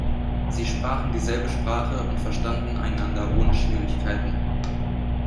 Sie sprachen dieselbe Sprache und verstanden einander ohne Schwierigkeiten.